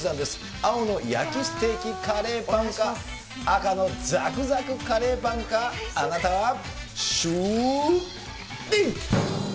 青の焼きステーキカレーパンか、赤のザクザクカレーパンか、あなたはシューＷｈｉｃｈ。